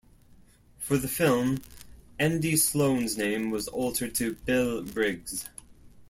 For the film, "Andy Sloane's" name was altered to "Bill Briggs.